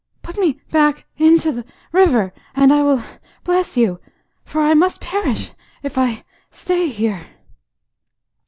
"Put me back into the river, and I will bless you, for I must perish if I stay here."